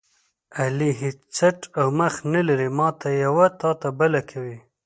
علي هېڅ څټ او مخ نه لري، ماته یوه تاته بله کوي.